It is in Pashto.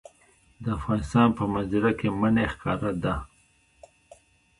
د افغانستان په منظره کې منی ښکاره ده.